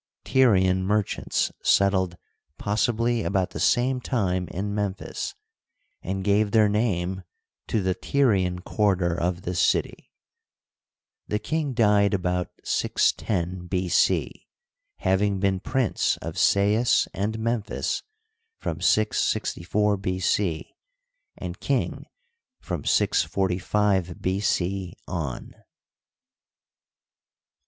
Tyr ian merchants settled possibly about the same time in Memphis, and gave their name to the Tyrian quarter of this city. The king died about 610 B. C, having been Prince of Sais and Memphis from 664 B. C, and king from 645 B. C. on.